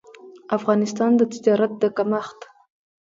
افغانستان د تجارت د کمښت